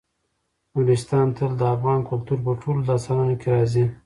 نورستان تل د افغان کلتور په ټولو داستانونو کې راځي.